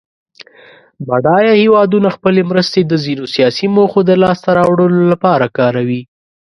بډایه هېوادونه خپلې مرستې د ځینو سیاسي موخو د لاس ته راوړلو لپاره کاروي.